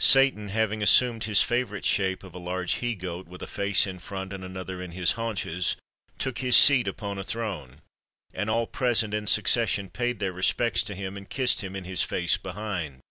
Satan, having assumed his favourite shape of a large he goat, with a face in front and another in his haunches, took his seat upon a throne; and all present, in succession, paid their respects to him, and kissed him in his face behind.